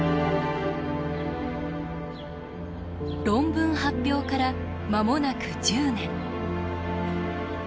論文発表から間もなく１０年。